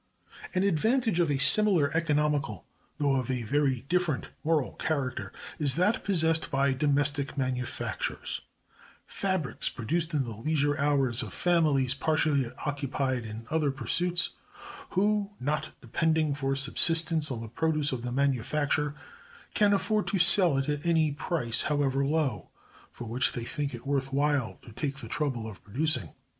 An advantage of a similar economical, though of a very different moral character, is that possessed by domestic manufactures; fabrics produced in the leisure hours of families partially occupied in other pursuits, who, not depending for subsistence on the produce of the manufacture, can afford to sell it at any price, however low, for which they think it worth while to take the trouble of producing.